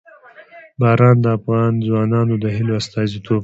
باران د افغان ځوانانو د هیلو استازیتوب کوي.